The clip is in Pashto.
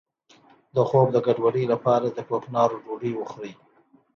د خوب د ګډوډۍ لپاره د کوکنارو ډوډۍ وخورئ